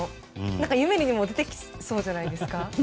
夢にも出てきそうじゃないですか。